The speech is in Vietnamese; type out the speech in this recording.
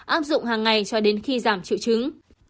áp dụng hàng ngày cho đến khi giảm triệu chứng